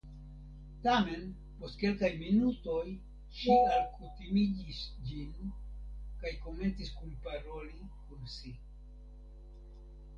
Tamen post kelkaj minutoj ŝi alkutimiĝis ĝin, kaj komencis kunparoli kun si.